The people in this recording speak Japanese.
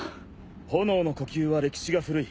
炎の呼吸は歴史が古い。